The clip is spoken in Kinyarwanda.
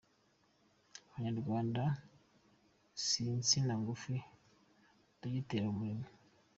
Abanyarwanda si insina ngufi - dogiteri. Habumuremyi